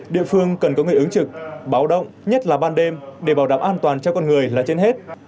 địa phương cần có người ứng trực báo động nhất là ban đêm để bảo đảm an toàn cho con người là trên hết